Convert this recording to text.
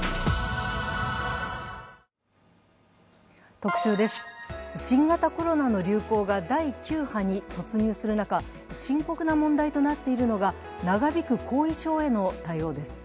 特集です、新型コロナの流行が第９波に突入する中、深刻な問題となっているのが長引く後遺症への対応です。